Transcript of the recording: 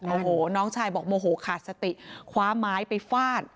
โอ้โหน้องชายบอกโมโหขาดสติคว้าไม้ไปฟาด